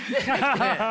ハハハハ。